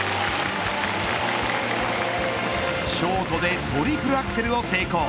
ショートでトリプルアクセルを成功。